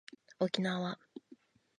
おきなわ